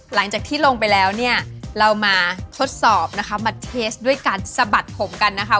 หลังจากที่ลงไปแล้วเนี่ยเรามาทดสอบนะคะมาเทสด้วยการสะบัดผมกันนะคะ